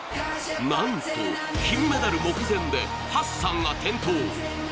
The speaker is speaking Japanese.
なんと、金メダル目前でハッサンが転倒。